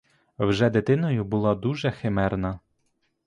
Вже дитиною була дуже химерна.